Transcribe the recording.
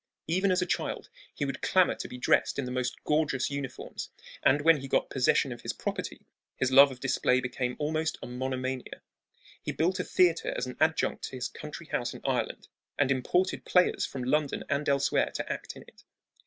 Even as a child he would clamor to be dressed in the most gorgeous uniforms; and when he got possession of his property his love of display became almost a monomania. He built a theater as an adjunct to his country house in Ireland and imported players from London and elsewhere to act in it.